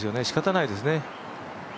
しかたないですね。